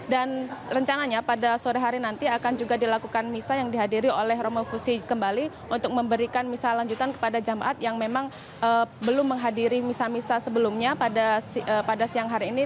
dan rencananya pada sore hari nanti akan juga dilakukan misa yang dihadiri oleh romo fusi kembali untuk memberikan misa lanjutan kepada jemaat yang memang belum menghadiri misa misa sebelumnya pada siang hari ini